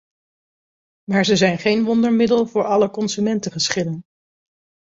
Maar ze zijn geen wondermiddel voor alle consumentengeschillen.